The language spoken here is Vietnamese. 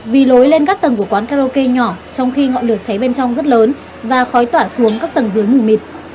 vì lối lên các tầng của quán karaoke nhỏ trong khi ngọn lửa cháy bên trong rất lớn và khói tỏa xuống các tầng dưới mù mịt